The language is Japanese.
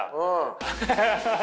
ハハハハハ。